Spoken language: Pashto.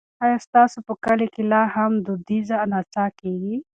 ایا ستاسو په کلي کې لا هم دودیزه نڅا کیږي؟